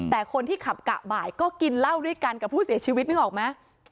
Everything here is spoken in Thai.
แต่คนที่ขับกะบ่ายก็กินเวลากับผู้เสพชีวิตนึกออกมั้ย